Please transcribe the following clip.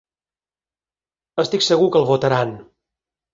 Estic segur que el votaran.